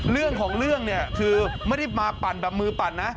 เรื่องของเรื่องเนี่ยคือไม่ได้มาปั่นแบบมือปั่นนะ